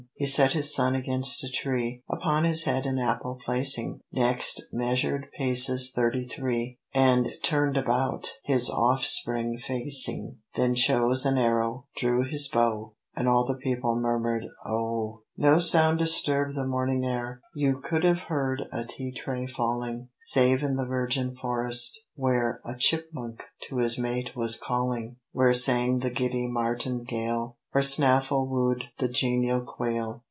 He set his son against a tree, Upon his head an apple placing, Next measured paces thirty three, And turned about, his offspring facing, Then chose an arrow, drew his bow, (And all the people murmured "Oh!") No sound disturbed the morning air, (You could have heard a tea tray falling,) Save in the virgin forest, where A chipmunk to his mate was calling, Where sang the giddy martingale, Or snaffle woo'd the genial quail.